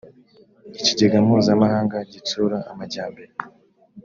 ikigega mpuzamahanga gitsura amajyambere